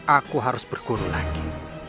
aku harus berguru lagi